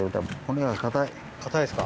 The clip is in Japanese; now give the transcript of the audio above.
硬いですか。